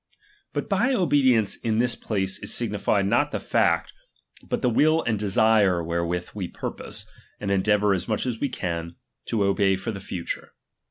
But by obedience in this place is signified not ch the fact, but the will and desire wherewith we "^"^ purpose, and endeavour as much as we can, to obey for the future.